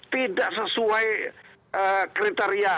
tidak sesuai kriteria